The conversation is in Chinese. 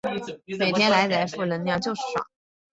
每天来点负能量就是爽